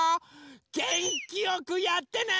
げんきよくやってね！